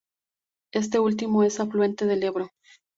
Este último es afluente del Ebro.